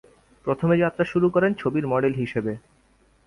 প্রথমে যাত্রা শুরু করেন ছবির মডেল হিসেবে।